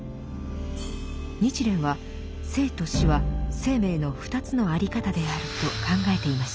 日蓮は生と死は生命の二つのあり方であると考えていました。